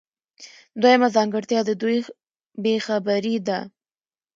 دویمه ځانګړتیا د دوی بې خبري ده.